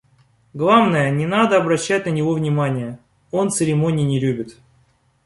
Главное, не надо обращать на него внимания: он церемоний не любит.